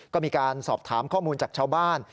ก็มีการสอบถามข้อมูลจากชาวบ้าน